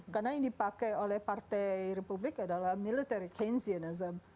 karena yang dipakai oleh partai republik adalah military keynesianism